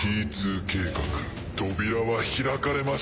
扉は開かれました。